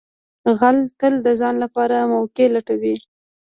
غل تل د ځان لپاره موقع لټوي